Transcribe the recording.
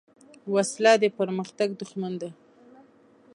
وسله د پرمختګ دښمن ده